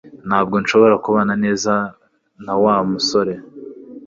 Ntabwo nshobora kubana neza na Wa musore